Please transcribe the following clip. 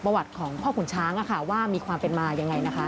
ประวัติของพ่อขุนช้างว่ามีความเป็นมายังไงนะคะ